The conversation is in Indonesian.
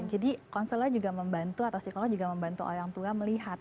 jadi konselor juga membantu atau psikolog juga membantu orang tua melihat